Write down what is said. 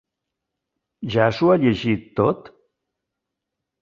Ja s'ho ha llegit tot?